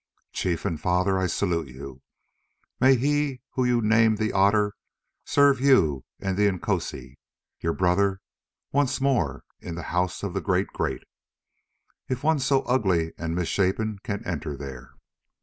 Chief and Father, I salute you! May he whom you named the Otter serve you and the Inkoosi your brother once more in the House of the Great Great, if one so ugly and misshapen can enter there.